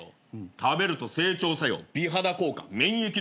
食べると整腸作用美肌効果免疫力強化